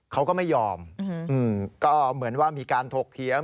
ก็เหมือนว่ามีการทกเคียง